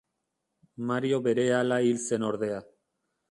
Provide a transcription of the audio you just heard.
Mario berehala hil zen ordea.